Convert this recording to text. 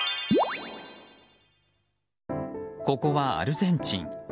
ここはアルゼンチン。